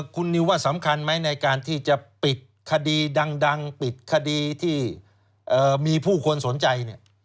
คุณนิวว่าสำคัญไหมในการที่จะปิดคดีดังปิดคดีที่มีผู้คนสนใจ